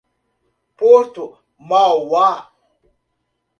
Porto Mauá